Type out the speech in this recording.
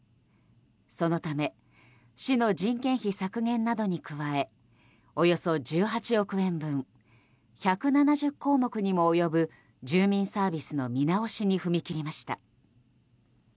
そのため市の人件費削減などに加えおよそ１８億円分１７０項目にも及ぶ住民サービスの見直しに踏み切りました。